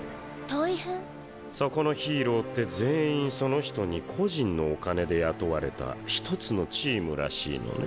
そこのヒーローって全員その人に個人のお金で雇われた１つのチームらしいのね。